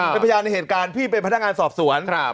เป็นพยานในเหตุการณ์พี่เป็นพนักงานสอบสวน